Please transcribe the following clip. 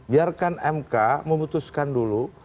biarkan mk memutuskan dulu